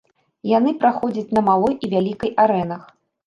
Яны праходзяць на малой і вялікай арэнах.